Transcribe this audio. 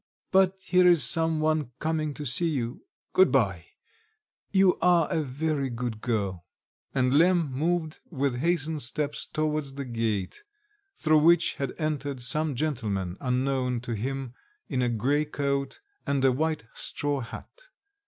but here is some one coming to see you. Goodbye. You are a very good girl." And Lemm moved with hastened steps towards the gate, through which had entered some gentleman unknown to him in a grey coat and a wide straw hat.